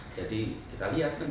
jadi kita lihat nanti